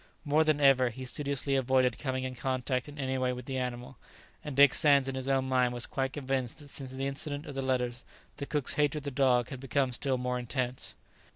More than ever he studiously avoided coming in contact in any way with the animal, and Dick Sands in his own mind was quite convinced that since the incident of the letters, the cook's hatred of the dog had become still more intense.